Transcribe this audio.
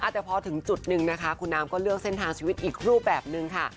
แต่พอถึงจุดหนึ่งนะคะคุณน้ำก็เลือกเส้นทางชีวิตอีกรูปแบบนึงค่ะ